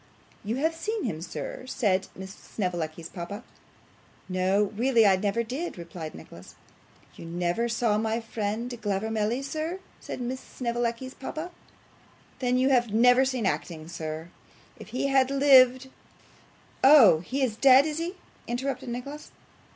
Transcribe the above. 'You have seen him, sir?' said Miss Snevellicci's papa. 'No, really I never did,' replied Nicholas. 'You never saw my friend Glavormelly, sir!' said Miss Snevellicci's papa. 'Then you have never seen acting yet. If he had lived ' 'Oh, he is dead, is he?' interrupted Nicholas.